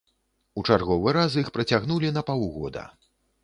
У чарговы раз іх працягнулі на паўгода.